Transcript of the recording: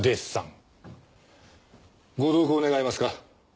ご同行願えますか？